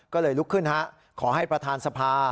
ก็เลยลุกขึ้นขอให้ประธานสภา